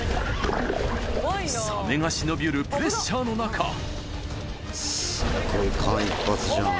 サメが忍び寄るプレッシャーの中すごい間一髪じゃん。